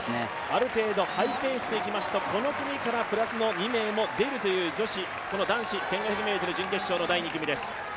ある程度ハイペースでいきますと、この組からプラスの２名も出るという男子１５００ｍ準決勝の第２組です。